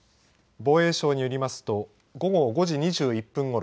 防衛省によりますと午後５時２１分ごろ